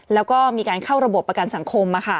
แล้วก็มีการเข้าระบบประกันสังคม